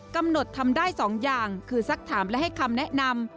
กำหนดทำได้๒อย่างคือสักถามและให้คำแนะนำ